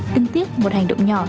đừng tiếc một hành động nhỏ